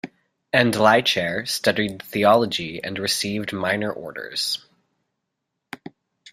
Endlicher studied theology and received minor orders.